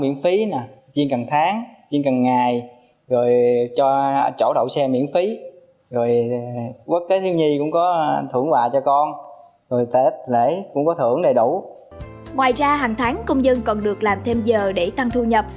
ngoài ra hàng tháng công dân còn được làm thêm giờ để tăng thu nhập